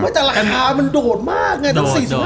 แต่ราคามันโดดมากเนี่ย